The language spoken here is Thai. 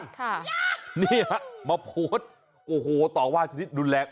ค่ะยักษ์โอ้โหนี่ฮะมาโพสต์โอ้โหตอบว่าชนิดดุลแหลก